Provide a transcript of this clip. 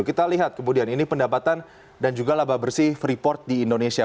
kita lihat kemudian ini pendapatan dan juga laba bersih freeport di indonesia